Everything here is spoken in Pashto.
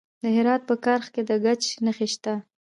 د هرات په کرخ کې د ګچ نښې شته.